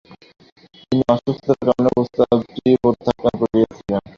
তিনি অসুস্থতার কারণে প্রস্তাবটি প্রত্যাখ্যান করেছিলেন।